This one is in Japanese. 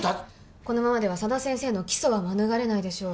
このままでは佐田先生の起訴は免れないでしょう